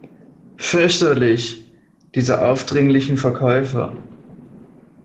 Fürchterlich, diese aufdringlichen Verkäufer!